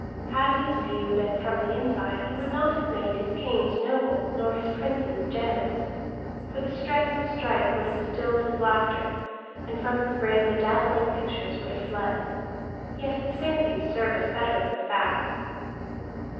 Had his view been from the inside he would not have made his kings noble nor his princes generous; for the stress of strife would have stilled his laughter, and from his brain the dazzling pictures would have fled. Yet his fancies serve us better than the facts.